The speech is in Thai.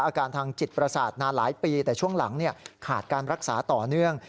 อาการทางจิตประสาทนานหลายปีแต่ช่วงหลังขาดการรักษาต่อเนื่อง